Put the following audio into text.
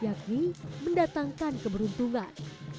yakni mendatangkan keberuntungan